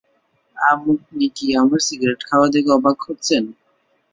আপনি কি আমার সিগারেট খাওয়া দেখে অবাক হচ্ছেন?